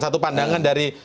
satu pandangan dari